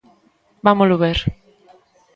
Vámolo ver.